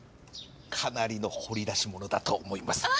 かなりの掘り出し物だと思います。